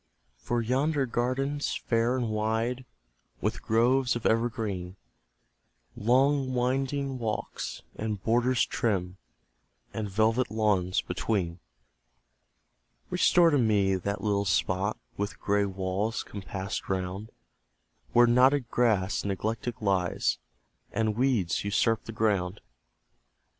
For yonder garden, fair and wide, With groves of evergreen, Long winding walks, and borders trim, And velvet lawns between; Restore to me that little spot, With gray walls compassed round, Where knotted grass neglected lies, And weeds usurp the ground.